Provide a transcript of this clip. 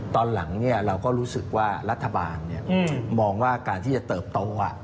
ตอนหลังเราก็รู้สึกว่ารัฐบาลมองว่าการที่จะเติบโต